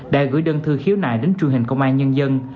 đã gửi đơn thư khiếu nại đến truyền hình công an nhân dân